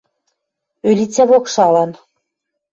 Ӧлицӓ покшалан